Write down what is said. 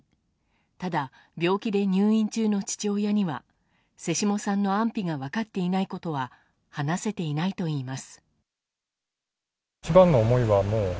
ただ、病気で入院中の父親には瀬下さんの安否が分かっていないことは話せていないといいます。